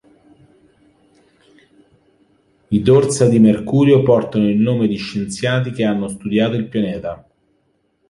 I dorsa di Mercurio portano il nome di scienziati che hanno studiato il pianeta..